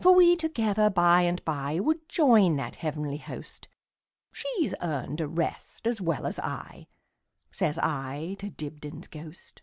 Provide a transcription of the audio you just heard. For we together by and byWould join that heavenly host; She 's earned a rest as well as I,"Says I to Dibdin's ghost.